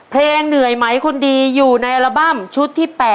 เหนื่อยไหมคนดีอยู่ในอัลบั้มชุดที่๘